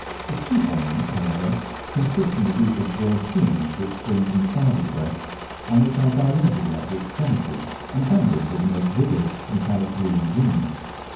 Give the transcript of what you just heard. Its chief ornament, however, consists in the group of broad plumes which spring from the sides of the breast, and which are dilated at the extremity, and banded with the most vivid metallic blue and green.